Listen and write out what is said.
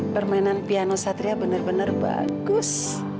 permainan piano satria bener bener bagus